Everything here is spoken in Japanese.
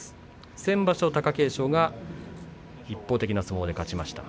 先場所、貴景勝が一方的な相撲で勝ちました。